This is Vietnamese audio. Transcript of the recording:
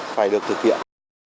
phải được thực hiện